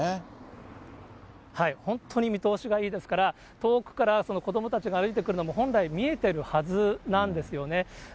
本当に見通しがいいですから、遠くから子どもたちが歩いてくるのも、本来見えてるはずなんですよね。